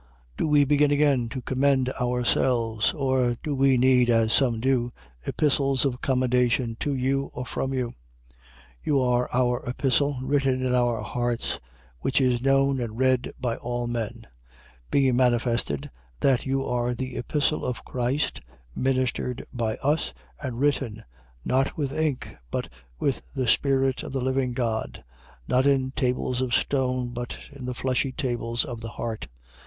3:1. Do we begin again to commend ourselves? Or do we need (as some do) epistles of commendation to you, or from you? 3:2. You are our epistle, written in our hearts, which is known and read by all men: 3:3. Being manifested, that you are the epistle of Christ, ministered by us, and written: not with ink but with the Spirit of the living God: not in tables of stone but in the fleshly tables of the heart.